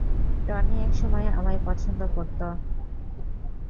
Tony একসময় আমায় পছন্দ করতো।